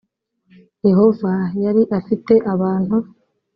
yehova yari afitte abantu